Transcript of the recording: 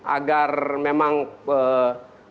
agar memang record kursi itu bisa dihasilkan